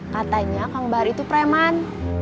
katanya kang bahri itu preman